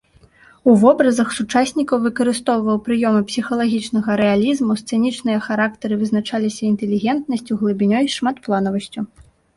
У вобразах сучаснікаў выкарыстоўваў прыёмы псіхалагічнага рэалізму, сцэнічныя характары вызначаліся інтэлігентнасцю, глыбінёй, шматпланавасцю.